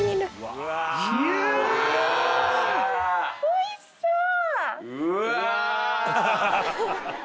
おいしそう！